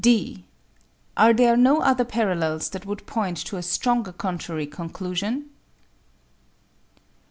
(d) Are there no other parallels that would point to a stronger contrary conclusion?